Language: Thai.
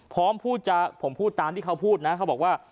พร้อมพูดจะผมพูดตามที่เขาพูดนะเขาบอกว่า